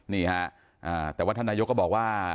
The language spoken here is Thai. นี่ฮะแต่วัฒนายก็บอกว่า